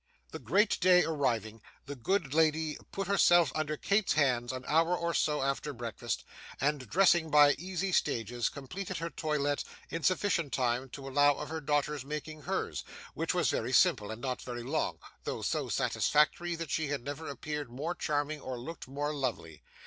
The great day arriving, the good lady put herself under Kate's hands an hour or so after breakfast, and, dressing by easy stages, completed her toilette in sufficient time to allow of her daughter's making hers, which was very simple, and not very long, though so satisfactory that she had never appeared more charming or looked more lovely.